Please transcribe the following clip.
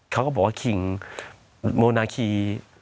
เขาก็บอกว่าคิงโมนาคี